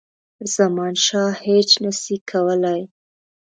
زمانشاه هیچ نه سي کولای.